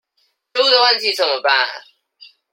食物的問題怎麼辦？